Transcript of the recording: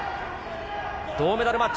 銅メダルマッチ。